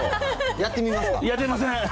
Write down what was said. やってみません。